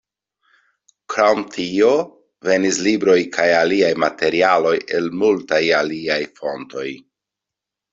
Krom tio, venis libroj kaj aliaj materialoj el multaj aliaj fontoj.